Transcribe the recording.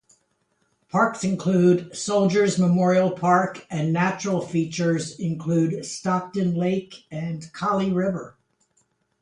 Parks include Soldier's Memorial Park and natural features include Stockton Lake and Collie River.